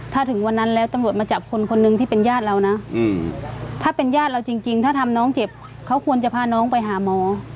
ถ้าถึงวันนั้นแล้วตำรวจมาจับคนคนหนึ่งที่เป็นญาติเรานะถ้าเป็นญาติเราจริงถ้าทำน้องเจ็บเขาควรจะพาน้องไปหาหมอ